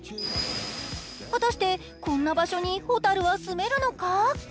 果たしてこんな場所にほたるは住めるのか？